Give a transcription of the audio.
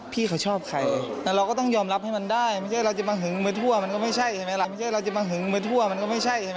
พี่เขาชอบใครแต่เราก็ต้องยอมรับให้มันได้ไม่ใช่เราจะมาหึงเมื่อทั่วมันก็ไม่ใช่